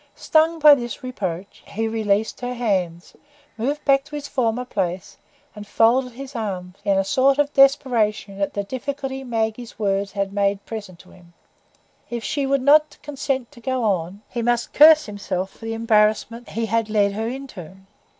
Stung by this reproach, he released her hands, moved back to his former place, and folded his arms, in a sort of desperation at the difficulty Maggie's words had made present to him. If she would not consent to go on, he must curse himself for the embarrassment he had led her into.